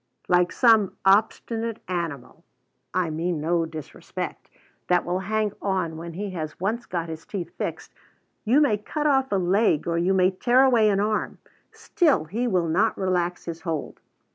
Like some obstinate animal (I mean no disrespect) that will hang on when he has once got his teeth fixed, you may cut off a leg or you may tear away an arm, still he will not relax his hold.